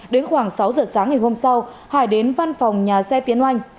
đến khoảng sáu giờ sáng ngày hôm sau hải đến văn phòng nhà xe tiến oanh